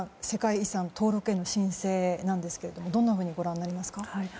世界遺産登録への申請ですがどんなふうにご覧になりますか？